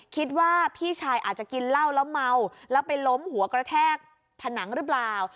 คิดว่าพี่ชายอาจจะกินเหล้าแล้วเมาแล้วไปล้มหัวกระแทกผนังหรือเปล่า